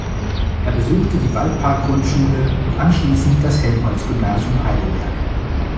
Er besuchte die Waldpark-Grundschule und anschließend das Helmholtz-Gymnasium Heidelberg.